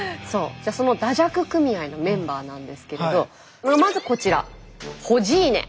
じゃあそのだじゃく組合のメンバーなんですけれどまずこちら「ホジーネ」。